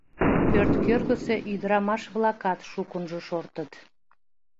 Пӧрткӧргысӧ ӱдырамаш-влакат шукынжо шортыт.